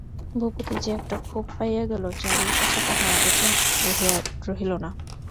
ভূপতি যে একটা ক্ষোভ পাইয়া গেল, চারুর কাছে তাহা অগোচর রহিল না।